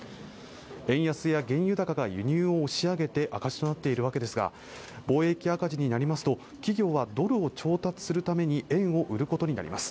円安や原油高が輸入を押し上げて赤字となっているわけですが貿易赤字になりますと企業はドルを調達するために円を売ることになります